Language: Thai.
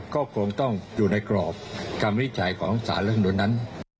ก็คงต้องอยู่ในกรอบคำวินิจฉัยของสารรัฐมนุนนั้น